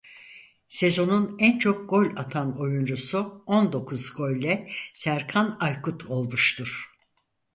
Sezonun en çok gol atan oyuncusu on dokuz golle Serkan Aykut olmuştur.